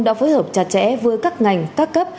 đã phối hợp chặt chẽ với các ngành các cấp